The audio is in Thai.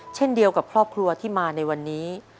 เช่นเดียวกับครอบครัวที่มาในวันนี้